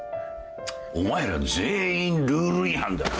お前ら全員ルール違反だ。